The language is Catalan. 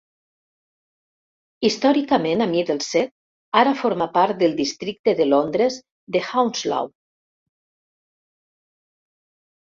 Històricament a Middlesex, ara forma part del Districte de Londres de Hounslow.